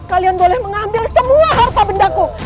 kalian boleh mengambil semua harta bendaku